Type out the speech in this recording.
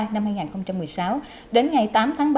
năm hai nghìn một mươi sáu đến ngày tám tháng ba